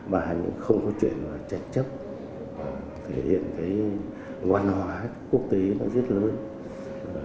và không có chuyện trạch chấp thể hiện cái ngoan hóa quốc tế rất lớn